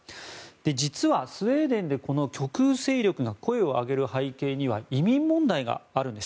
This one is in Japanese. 実は、スウェーデンで極右勢力が声を上げる背景には移民問題があるんです。